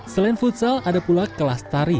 selain futsal ada pula kelas tari